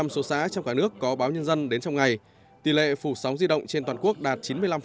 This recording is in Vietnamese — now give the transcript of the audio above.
chín mươi một bảy số xã trong cả nước có báo nhân dân đến trong ngày tỷ lệ phủ sóng di động trên toàn quốc đạt chín mươi năm